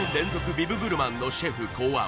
ビブグルマンのシェフ考案